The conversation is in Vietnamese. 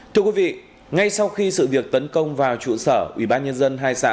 thưa quý vị ngay sau khi sự việc tấn công vào trụ sở ubnd hai xã